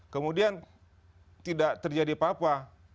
kemudian tidak terjadi apa apa